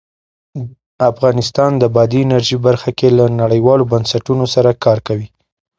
افغانستان د بادي انرژي برخه کې له نړیوالو بنسټونو سره کار کوي.